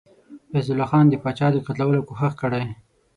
فیض الله خان د پاچا د قتلولو کوښښ کړی.